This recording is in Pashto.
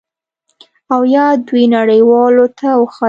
او یا دوی نړیوالو ته وښایي